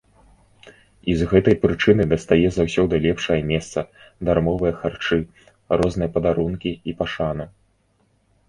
І з гэтай прычыны дастае заўсёды лепшае месца, дармовыя харчы, розныя падарункі і пашану.